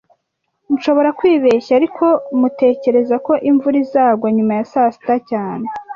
Nshobora kwibeshya, ariko tmutekereza ko imvura izagwa nyuma ya saa sita cyane